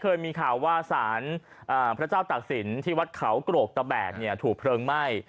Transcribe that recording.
เคยมีข่าวว่าสารพระเจ้าตักศิลป์ที่วัดเขาโกรกตะแบกถูกเพลิงไหม้